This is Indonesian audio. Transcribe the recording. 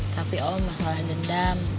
tapi om masalah dendam